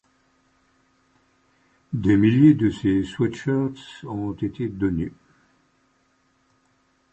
Des milliers de ces sweat-shirts ont été donnés.